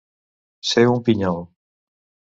Ser un pinyol.